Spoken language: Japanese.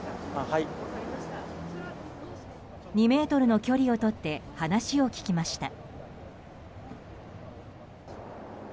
２ｍの距離をとって話を聞きました。